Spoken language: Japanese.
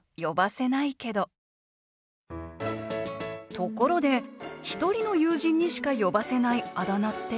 ところで１人の友人にしか呼ばせないあだ名って？